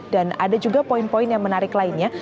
dan ada juga poin poin yang menarik lainnya